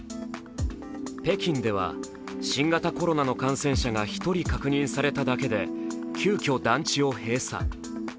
北京では新型コロナの感染者が１人確認されただけで急きょ、団地を閉鎖。